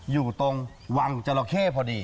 อยู่ตรงวังจราเข้พอดี